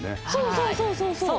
そうそうそうそう。